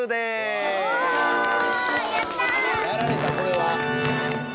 やられたこれは。